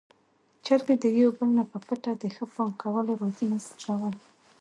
چرګې د يو بل نه په پټه د ښه بانګ کولو رازونه زده کول.